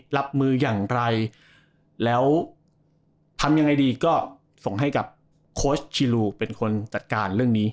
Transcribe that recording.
รับมืออย่างไรแล้วทำยังไงดีก็ส่งให้กับโค้ชชิลูเป็นคนจัดการเรื่องนี้